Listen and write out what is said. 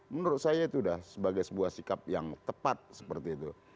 menurut saya itu sudah sebagai sebuah sikap yang tepat seperti itu